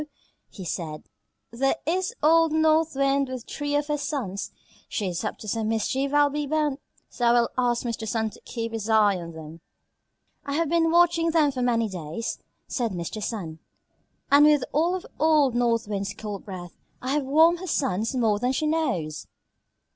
he said, "there is old North Wind with three of her sons. She is up to some mischief, I'll be bound; so I will ask Mr. Sun to keep his eye on them." "I have been watching them for many days," said Mr. Sun, "and with all of old North Wind's cold breath I have warmed her sons more than she knows."